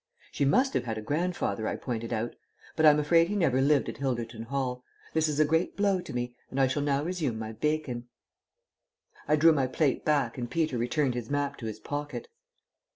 "She must have had a grandfather," I pointed out. "But I'm afraid he never lived at Hilderton Hall. This is a great blow to me, and I shall now resume my bacon." I drew my plate back and Peter returned his map to his pocket.